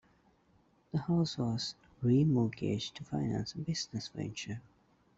The house was re-mortgaged to finance a business venture.